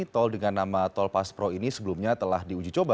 tol dengan nama tol paspro ini sebelumnya telah diujicoba dan digunakan